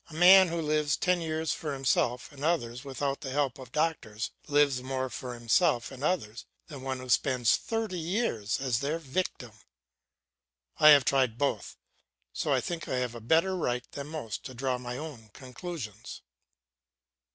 A man who lives ten years for himself and others without the help of doctors lives more for himself and others than one who spends thirty years as their victim. I have tried both, so I think I have a better right than most to draw my own conclusions.